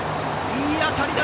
いい当たりだ！